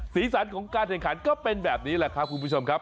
สีสันของการแข่งขันก็เป็นแบบนี้แหละครับคุณผู้ชมครับ